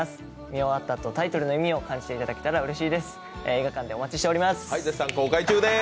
見終わったあと、タイトルの意味を感じていただけたらうれしいです。